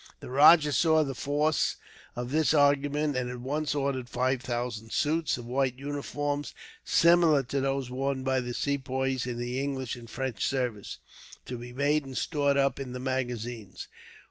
The rajah saw the force of this argument, and at once ordered five thousand suits of white uniforms, similar to those worn by the Sepoys in the English and French service, to be made and stored up in the magazines.